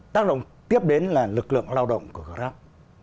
tác động tiếp đến là lực lượng lao động của grab